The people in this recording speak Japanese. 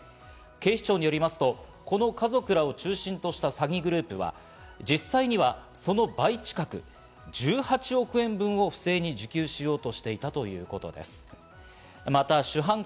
警視庁によりますと、この家族らを中心とした詐欺グループは、実際にはその倍近く、１８億円分を不正に受給しようとしていたということです。